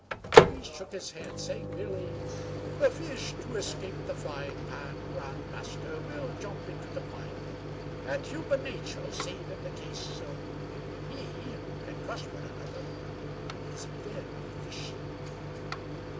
He shook his head, saying merely :" The fish to escape the frying pan, grand master, will jump into the fire. And human nature, save in the case of you and me, who can trust one another, is very fishy."